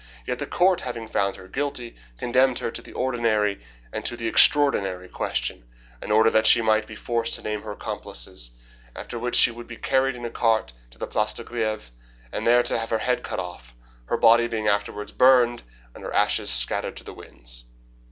Yet the Court, having found her guilty, condemned her to the ordinary and to the extraordinary question in order that she might be forced to name her accomplices, after which she should be carried in a cart to the Place de Greve, there to have her head cut off, her body being afterwards burned and her ashes scattered to the winds.'